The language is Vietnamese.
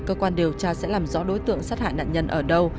cơ quan điều tra sẽ làm rõ đối tượng sát hại nạn nhân ở đâu